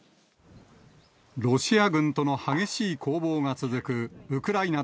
ロシア軍との激しい攻防が続くウクライナ